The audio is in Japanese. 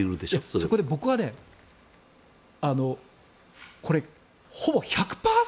そこで僕はほぼ１００％